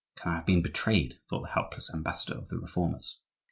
"Can I have been betrayed?" thought the helpless ambassador of the Reformers.